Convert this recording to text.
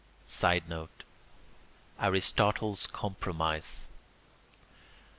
[Sidenote: Aristotle's compromise.